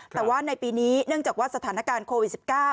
แต่ว่าในปีนี้เนื่องจากว่าสถานการณ์โควิด๑๙